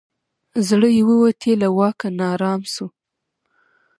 زړه یې ووتی له واکه نا آرام سو